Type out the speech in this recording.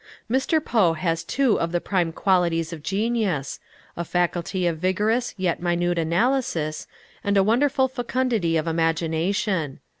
Mr. Poe has two of the prime qualities of genius, a faculty of vigorous yet minute analysis, and a wonderful fecundity of imagination.